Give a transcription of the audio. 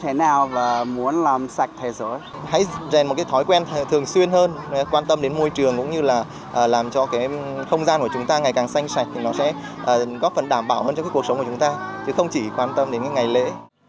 hãy dành một thói quen thường xuyên hơn quan tâm đến môi trường cũng như là làm cho không gian của chúng ta ngày càng xanh sạch thì nó sẽ có phần đảm bảo hơn cho cuộc sống của chúng ta chứ không chỉ quan tâm đến ngày lễ